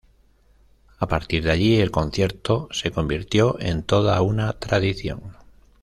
A partir de allí, el concierto se convirtió en toda una tradición.